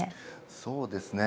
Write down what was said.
そうですね。